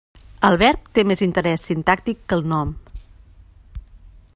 El verb té més interès sintàctic que el nom.